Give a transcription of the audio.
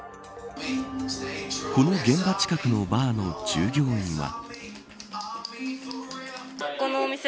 この現場近くのバーの従業員は。